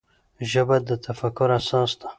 ژبه د تفکر اساس ده.